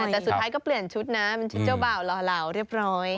แต่สุดท้ายก็เปลี่ยนชุดนะเป็นชุดเจ้าบ่าวหล่อเหล่าเรียบร้อย